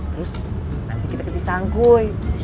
terus nanti kita ke cisangkuy